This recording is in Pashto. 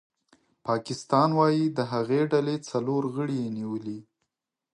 پاکستان وايي د هغې ډلې څلور غړي یې نیولي